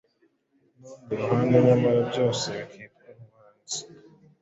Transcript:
ku rundi ruhande; nyamara byose bikitwa ubuhanzi.